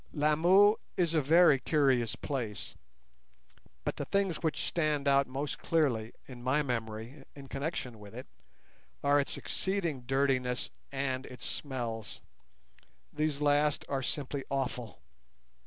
Lamu is a very curious place, but the things which stand out most clearly in my memory in connection with it are its exceeding dirtiness and its smells. These last are simply awful.